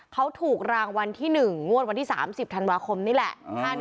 เขาถูกรางวัลที่๑งวดวันที่๓๐ธันวาคมนี่แหละ